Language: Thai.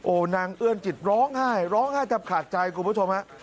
นางเอื้อนจิตร้องไห้ร้องไห้แทบขาดใจคุณผู้ชมฮะ